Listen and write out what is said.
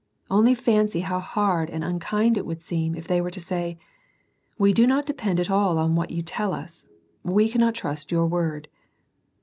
Only fancy how hard and unkind it would seem if they were to say, " We do not depend at all on what you tell us, we cannot trust your word."